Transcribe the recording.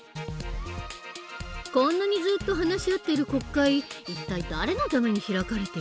こんなにずっと話し合っている国会一体誰のために開かれてるの？